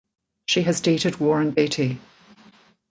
She has dated Warren Beatty.